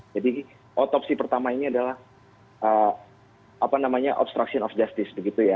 jadi otopsi pertama ini adalah obstruction of justice